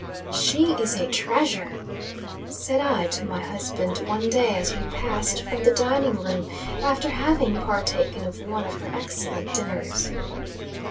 "She is a treasure," said I to my husband, one day, as we passed from the dining room, after having partaken of one of her excellent dinners.